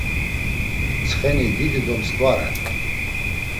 Tsxeni didi do mskva ren.